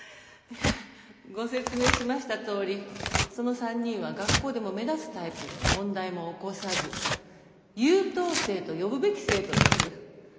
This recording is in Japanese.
いえご説明しましたとおりその３人は学校でも目立つタイプで問題も起こさず優等生と呼ぶべき生徒です。